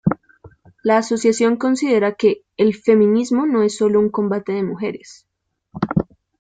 La asociación considera que "el feminismo no es sólo un combate de mujeres.